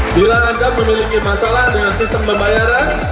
bila anda memiliki masalah dengan sistem pembayaran